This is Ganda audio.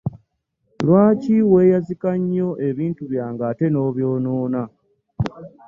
Lwaki weeyazika nnyo ebintu byange ate nobyonoona?